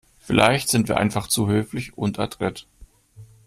Vielleicht sind wir einfach zu höflich und adrett.